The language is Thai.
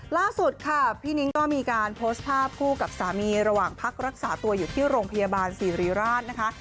ล่าสุดค่ะพี่นิ้งก็มีการโพสต์ภาพคู่กับสามีระหว่างพักรักษาตัวอยู่ที่โรงพยาบาลสิริราชนะคะ